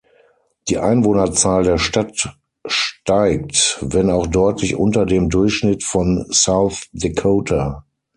Die Einwohnerzahl der Stadt steigt, wenn auch deutlich unter dem Durchschnitt von South Dakota.